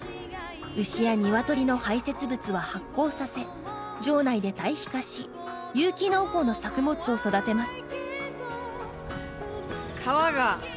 牛や鶏の排泄物は発酵させ場内で堆肥化し有機農法の作物を育てます。